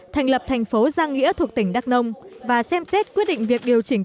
thành lập thành phố giang nghĩa thuộc tỉnh đắk nông và xem xét quyết định việc điều chỉnh